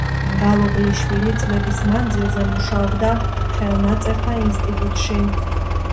მგალობლიშვილი წლების მანძილზე მუშაობდა ხელნაწერთა ინსტიტუტში.